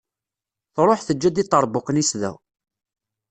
Truḥ teǧǧa-d iṭerbuqen-is da.